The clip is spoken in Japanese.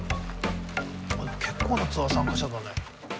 結構なツアー参加者だね。